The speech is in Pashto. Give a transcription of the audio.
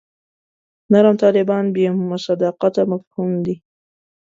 نرم طالبان بې مصداقه مفهوم دی.